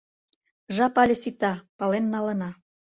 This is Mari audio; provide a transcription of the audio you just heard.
— Жап але сита, пален налына...